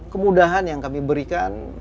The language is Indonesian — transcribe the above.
kemudahan yang kami berikan